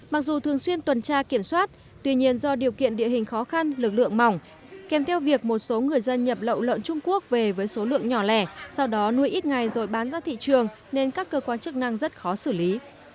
mặc dù thường xuyên tuần tra kiểm soát tuy nhiên do điều kiện địa hình khó khăn lực lượng mỏng kèm theo việc một số người dân nhập lậu lợn trung quốc về với số lượng nhỏ lẻ sau đó nuôi ít ngày rồi bán ra thị trường nên các cơ quan chức năng rất khó xử lý